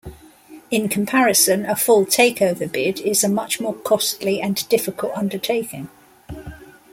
In comparison, a full takeover bid is a much more costly and difficult undertaking.